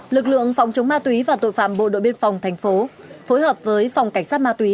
lực lượng phòng chống ma túy và tội phạm bộ đội biên phòng thành phố phối hợp với phòng cảnh sát ma túy